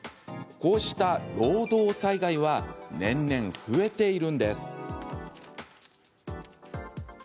こうした「労働災害」は年々、増えているんです。